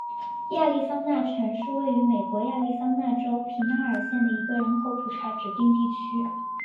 亚利桑那城是位于美国亚利桑那州皮纳尔县的一个人口普查指定地区。